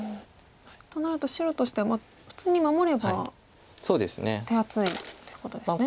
となると白としては普通に守れば手厚いということですね。